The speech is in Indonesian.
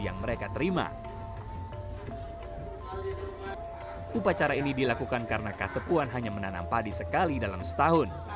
yang mereka terima upacara ini dilakukan karena kasepuan hanya menanam padi sekali dalam setahun